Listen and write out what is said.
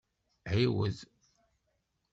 Ɛiwed!